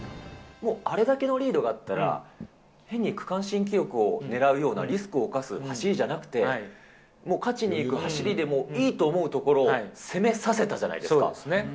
もう、あれだけのリードがあったら、変に区間新記録を狙うようなリスクをおかす走りじゃなくて、もう勝ちに行く走りでもいいと思うところを攻めさせたじゃないでそうですね。